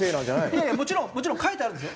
いやいやもちろん書いてあるんですよ。